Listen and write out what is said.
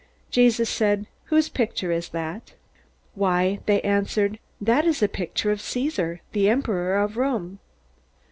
Jesus said, "Whose picture is that?" "Why," they answered, "that is a picture of Caesar, the emperor of Rome."